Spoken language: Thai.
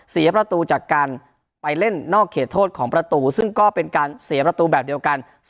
เสียประตูจากการไปเล่นนอกเขตโทษของประตูซึ่งก็เป็นการเสียประตูแบบเดียวกัน